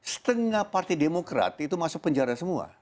setengah partai demokrat itu masuk penjara semua